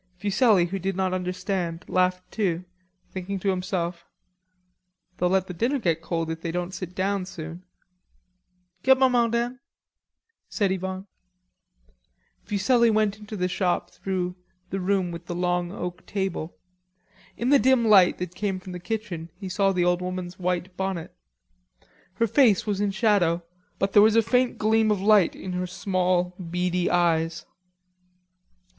Fuselli who did not understand laughed too, thinking to himself, "They'll let the dinner get cold if they don't sit down soon." "Get maman, Dan," said Yvonne. Fuselli went into the shop through the room with the long oak table. In the dim light that came from the kitchen he saw the old woman's white bonnet. Her face was in shadow but there was a faint gleam of light in her small beady eyes.